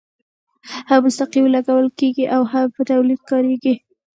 هم مستقیم لګول کیږي او هم په تولید کې کاریږي.